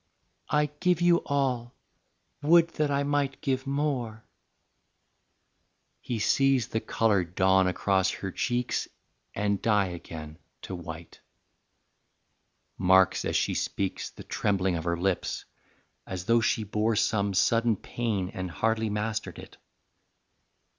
XIV. "I give you all; would that I might give more." He sees the colour dawn across her cheeks And die again to white; marks as she speaks The trembling of her lips, as though she bore Some sudden pain and hardly mastered it.